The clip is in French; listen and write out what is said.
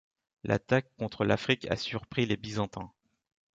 L'attaque contre l'Afrique a surpris les Byzantins.